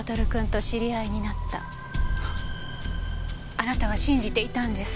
あなたは信じていたんです。